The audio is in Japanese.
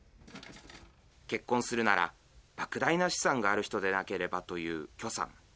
結婚するならばく大な資産がある人でなければという許さん。